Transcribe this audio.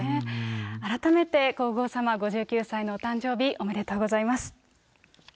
改めて、皇后さま、５９歳のお誕生日、おめでとうございます。